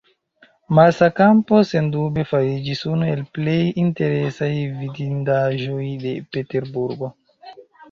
Marsa Kampo, sendube, fariĝis unu el plej interesaj vidindaĵoj de Peterburgo.